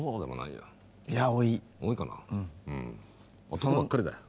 男ばっかりだよ。